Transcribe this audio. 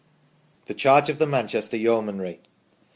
THE CHARGE OF THE MANCHESTER YEOMANRY.